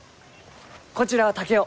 こちらは竹雄。